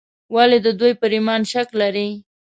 ولې د دوی پر ایمان شک لري.